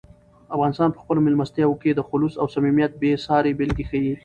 افغانان په خپلو مېلمستیاوو کې د "خلوص" او "صمیمیت" بې سارې بېلګې ښیي.